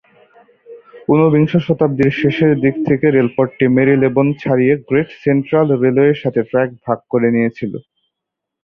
ঊনবিংশ শতাব্দীর শেষের দিক থেকে রেলপথটি মেরিলেবোন ছাড়িয়ে গ্রেট সেন্ট্রাল রেলওয়ের সাথে ট্র্যাক ভাগ করে নিয়েছিল।